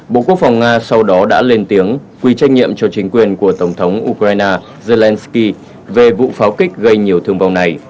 bộ quốc phòng nga sau đó đã lên tiếng quy trách nhiệm cho chính quyền của tổng thống ukraine zelensky về vụ pháo kích gây nhiều thương vong này